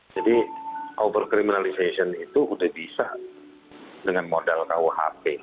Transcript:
jadi over criminalization itu sudah bisa dengan modal kuhp